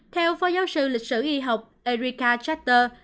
theo phó giáo sư lịch sử y học erika charter